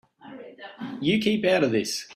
You keep out of this.